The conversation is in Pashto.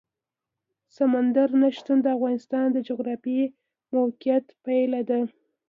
سمندر نه شتون د افغانستان د جغرافیایي موقیعت پایله ده.